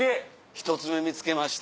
１つ目見つけました。